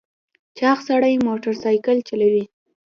چاغ سړی موټر سایکل چلوي .